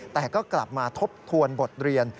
แต่ก็กลับมาทบทวนบทเรียน